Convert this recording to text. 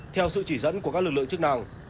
theo sự chỉ dẫn của các lực lượng chức năng